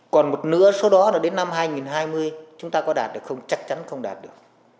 còn một nửa số đó là đến năm hai nghìn hai mươi chúng ta có đạt được không chắc chắn không đạt được